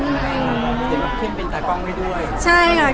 เข้มเป็นตากล้องไว้ด้วย